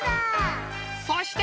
そして！